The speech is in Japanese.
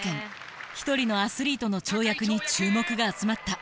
一人のアスリートの跳躍に注目が集まった。